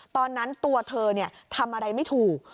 ตอนนั้นตัวเธอทำอะไรไม่ถูก